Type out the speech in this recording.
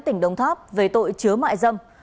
tỉnh đồng tháp về tội chứa mại dâm